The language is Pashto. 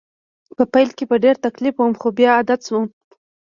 په پیل کې په ډېر تکلیف وم خو بیا عادت شوم